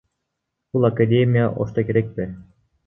Бул академия Ошто керекпи?